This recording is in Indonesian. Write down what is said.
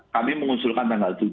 kami mengusulkan tanggal tujuh